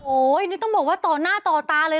โอ้โหนี่ต้องบอกว่าต่อหน้าต่อตาเลย